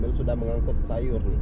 itu sudah mengangkut sayur